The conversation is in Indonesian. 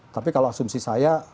tapi kalau asumsi saya